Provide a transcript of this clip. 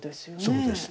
そうです。